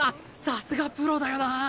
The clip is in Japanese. さすがプロだよな。